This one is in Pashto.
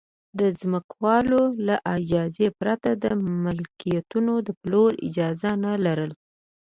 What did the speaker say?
د ځمکوالو له اجازې پرته د ملکیتونو د پلور اجازه نه لرله